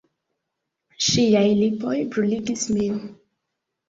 Ŝiaj lipoj bruligis min.